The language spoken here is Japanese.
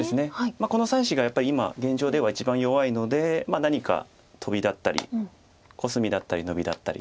この３子がやっぱり今現状では一番弱いので何かトビだったりコスミだったりノビだったり。